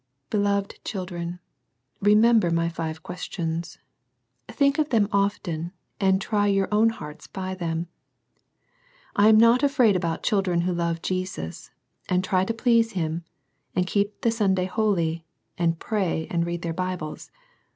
Beloved children, remember my five questious. Think of them often, and try your own hearts by them. I am not afraid about children who love Jesus, and try to please Him, and keep the Sunday holy, and pray and read their Bibles.